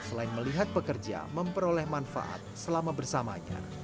selain melihat pekerja memperoleh manfaat selama bersamanya